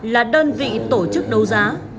là đơn vị tổ chức đấu giá